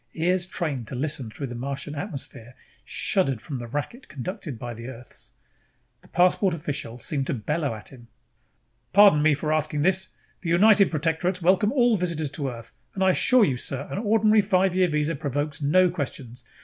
Ears trained to listen through the Martian atmosphere shuddered from the racket conducted by Earth's. The passport official seemed to bellow at him. "Pardon me for asking this. The United Protectorates welcome all visitors to Earth and I assure you, sir, an ordinary five year visa provokes no questions.